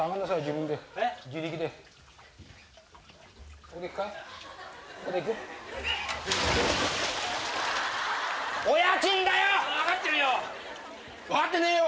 分かってねえよ！